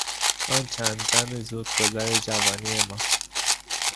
آن چند دم زودگذر جوانی ما